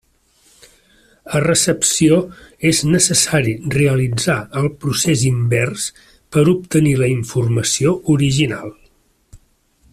A recepció és necessari realitzar el procés invers per obtenir la informació original.